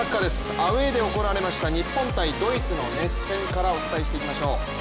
アウェーで行われました日本×ドイツの熱戦からお伝えしていきます。